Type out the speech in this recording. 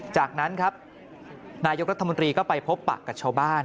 จากนั้นครับนายกรัฐมนตรีก็ไปพบปะกับชาวบ้าน